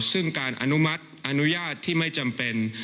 ซึ่งการอนุมัติอนุญาตที่ไม่จำเป็น